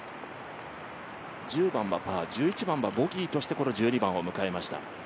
１０番はパー１１番はボギーとして１２番を迎えました。